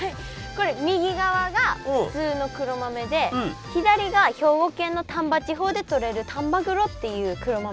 これ右側が普通の黒豆で左が兵庫県の丹波地方でとれる丹波黒っていう黒豆。